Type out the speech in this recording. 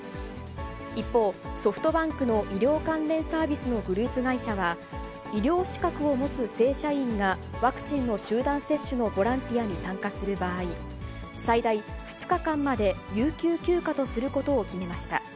一方、ソフトバンクの医療関連サービスのグループ会社は、医療資格を持つ正社員が、ワクチンの集団接種のボランティアに参加する場合、最大２日間まで有給休暇とすることを決めました。